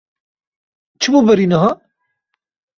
Çi bû berî niha?